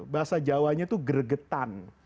bahasa jawanya itu gergetan